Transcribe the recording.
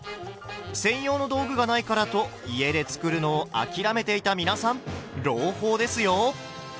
専用の道具がないからと家で作るのを諦めていた皆さん朗報ですよ！